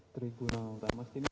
tribunal utama stimik